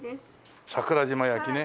桜島焼ね。